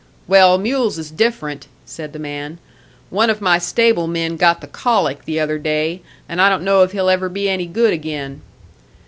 "Well, mules is different," said the man. "One of my stable men got the colic the other day, and I don't know if he'll ever be any good again."